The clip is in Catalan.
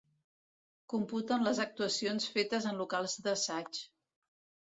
Computen les actuacions fetes en locals d'assaig.